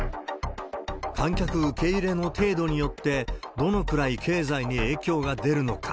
観客受け入れの程度によって、どのくらい経済に影響が出るのか。